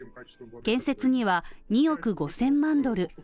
建設には２億５０００万ドル